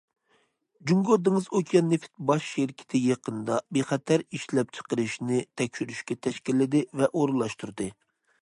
جۇڭگو دېڭىز ئوكيان نېفىت باش شىركىتى يېقىندا بىخەتەر ئىشلەپچىقىرىشنى تەكشۈرۈشكە تەشكىللىدى ۋە ئورۇنلاشتۇردى.